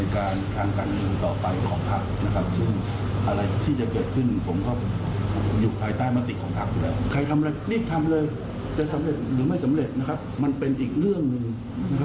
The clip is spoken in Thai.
ใครทำอะไรรีบทำเลยจะสำเร็จหรือไม่สำเร็จมันเป็นอีกเรื่องหนึ่ง